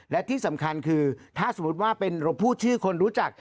และที่สำคัญคือถ้าสมมุติว่าเป็นเราพูดชื่อคนรู้จัก